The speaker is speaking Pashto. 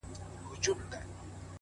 • ور کول مو پر وطن باندي سرونه,